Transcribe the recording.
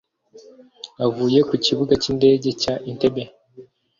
Avuye ku kibuga cy’indege cya Entebbe